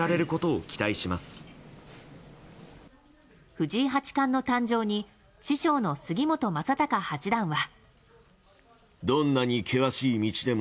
藤井八冠の誕生に師匠の杉本昌隆八段は。